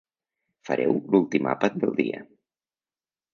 Fareu l'últim àpat del dia.